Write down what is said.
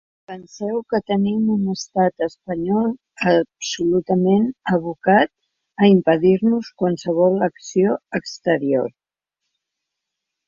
Penseu que tenim un estat espanyol absolutament abocat a impedir-nos qualsevol acció exterior.